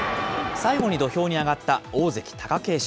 最後に土俵に上がった大関・貴景勝。